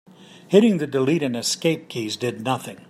Hitting the delete and escape keys did nothing.